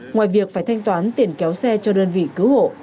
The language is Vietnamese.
ngoài việc phải thanh toán tiền kéo xe cho đơn vị cứu hộ